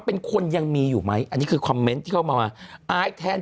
เป็นคนยังมีอยู่ไหมอันนี้คือคอมเมนต์ที่เข้ามาอายแทน